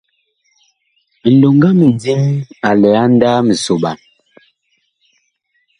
Nloŋga a lɛ a ndaaa misoɓan.